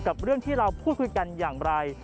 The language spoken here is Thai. กับเรื่องที่เราพูดคุยกันอย่างไร